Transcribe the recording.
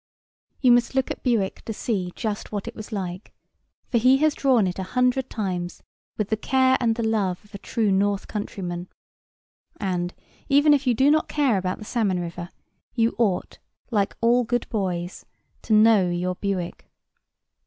You must look at Bewick to see just what it was like, for he has drawn it a hundred times with the care and the love of a true north countryman; and, even if you do not care about the salmon river, you ought, like all good boys, to know your Bewick.